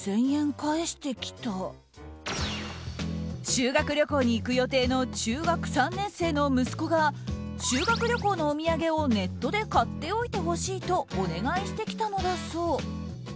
修学旅行に行く予定の中学３年生の息子が修学旅行のお土産をネットで買っておいてほしいとお願いしてきたのだそう。